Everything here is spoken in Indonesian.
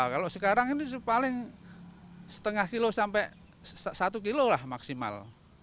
kalau sekarang ini paling setengah kilo sampai satu kilo lah maksimal